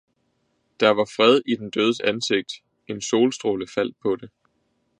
der var fred i den dødes ansigt, en solstråle faldt på det.